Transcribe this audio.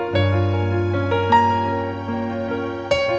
coba gue selihan dia besernya